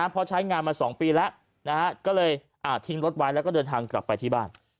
เพราะใช้งานมา๒ปีแล้วก็เลยทิ้งรถไว้แล้วก็เดินทางกลับไปที่บ้าน